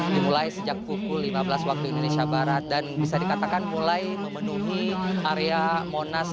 dimulai sejak pukul lima belas waktu indonesia barat dan bisa dikatakan mulai memenuhi area monas